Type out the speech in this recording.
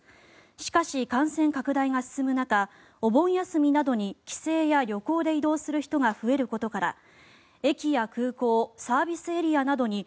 しかし感染拡大が進む中お盆休みなどに帰省や旅行で移動する人が増えることから駅や空港、サービスエリアなどに